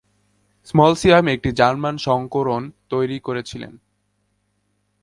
স্মলসিয়াস একটি জার্মান সংস্করণ তৈরি করেছিলেন।